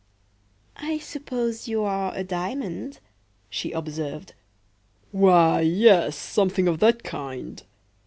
"I suppose you are a diamond?" she observed."Why, yes, something of that kind."